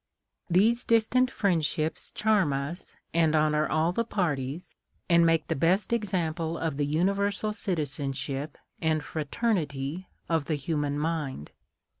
These distant friendships charm ns, and honor all the parties, and make the best example of the universal citizenship and fraternity of the human mind.